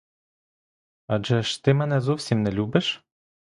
Адже ж ти мене зовсім не любиш?